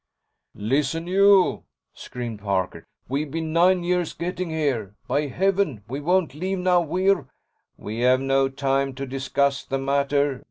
"Listen, you!" screamed Parker. "We've been nine years getting here! By Heaven, we won't leave now! We're...." "We have no time to discuss the matter.